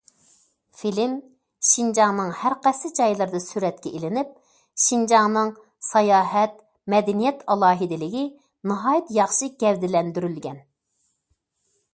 فىلىم شىنجاڭنىڭ ھەر قايسى جايلىرىدا سۈرەتكە ئېلىنىپ، شىنجاڭنىڭ ساياھەت، مەدەنىيەت ئالاھىدىلىكى ناھايىتى ياخشى گەۋدىلەندۈرۈلگەن.